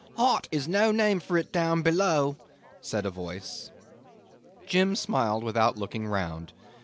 'Hot is no name for it down below,' said a voice. Jim smiled without looking round.